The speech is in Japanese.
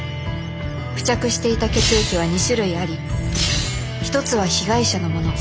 付着していた血液は２種類あり一つは被害者のもの